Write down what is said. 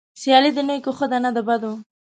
سيالي د نيکو ښه ده نه د بدو.